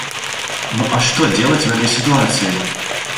Ну а что делать в этой ситуации?